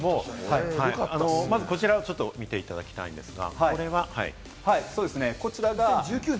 まずこちらを見ていただきたいんですが。